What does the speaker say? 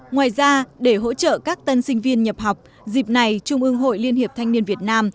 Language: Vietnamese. ngoài ra để hỗ trợ các tân sinh viên nhập học dịp này trung ương hội liên hiệp thanh niên việt nam